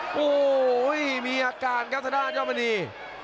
โอ้โหมีอาการกับถนนหายอดมณี